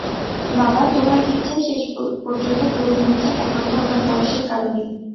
বাবা, তোমার ইচ্ছাই শেষ পর্যন্ত পূরণ হয়েছে একমাত্র আমার বয়সের কারণেই।